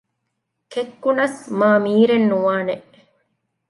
ކެއްކުނަސް މާމީރެއް ނުވާނެ